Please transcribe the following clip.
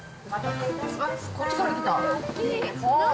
こっちから来た。